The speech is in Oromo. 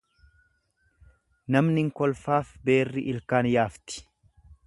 Namni hinkolfaaf beerri ilkaan yaasti.